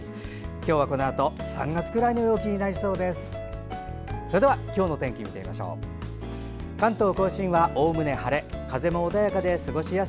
今日はこのあと３月くらいの陽気になりそうです。